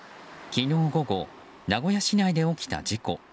昨日午後名古屋市内で起きた事故。